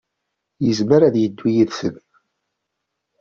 Yezmer ad yeddu yid-sen.